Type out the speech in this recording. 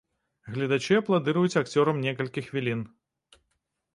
Гледачы апладыруюць акцёрам некалькі хвілін.